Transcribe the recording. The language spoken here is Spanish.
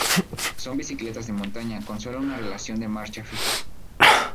Son bicicletas de montaña con sólo una relación de marcha fija.